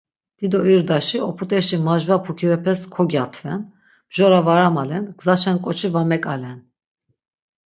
Dido irdaşi, oputeşi majva pukirepes kogyatven, mjora va amalen, gzaşen k̆oçi va mek̆alen.